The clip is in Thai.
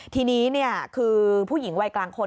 ทีนี้คือผู้หญิงวัยกลางคน